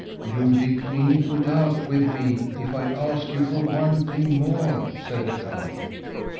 "You'll be clean put out with me if I ask you for one thing more," said the cow.